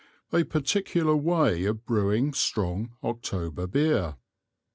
A particular way of Brewing strong October Beer.